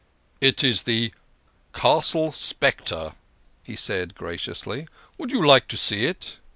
"It is The Castle Spectre," he said graciously. "Would you like to see it?"